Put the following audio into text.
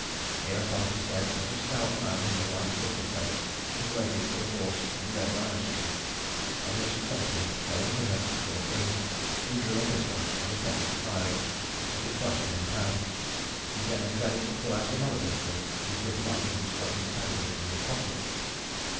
Hereupon he said that a stout man, in a white duffil coat, was waiting for the horse in Red Lion street; on which the company going thither, saw King, who drew a pistol, and attempted to fire it, but it flashed in the pan: he then endeavoured to pull out another pistol, but he could not, as it got entangled in his pocket.